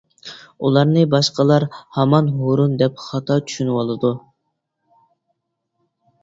ئۇلارنى باشقىلار ھامان ھۇرۇن دەپ خاتا چۈشىنىۋالىدۇ.